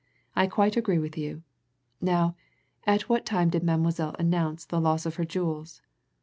"I quite agree with you. Now, at what time did Mademoiselle announce the loss of her jewels?"